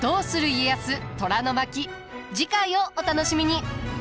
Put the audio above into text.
次回をお楽しみに。